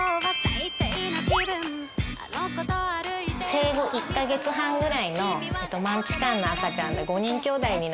生後１カ月半ぐらいのマンチカンの赤ちゃんで５人きょうだいになります。